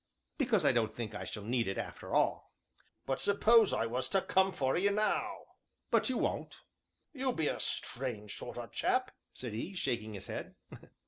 "Because I don't think I shall need it, after all." "But suppose I was to come for 'ee now?" "But you won't." "You be a strange sort o' chap!" said he, shaking his head.